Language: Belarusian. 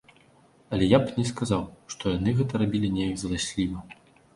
Але я б не сказаў, што яны гэта рабілі неяк зласліва.